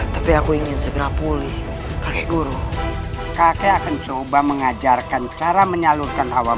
tapi aku ingin segera pulih kakek guru kakek akan coba mengajarkan cara menyalurkan hawa